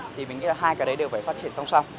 thì mình nghĩ là hai cái đấy đều phải phát triển song song